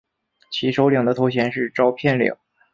其首领的头衔是召片领。